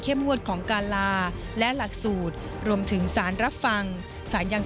งวดของการลาและหลักสูตรรวมถึงสารรับฟังสารยัง